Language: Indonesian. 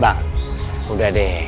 bang udah deh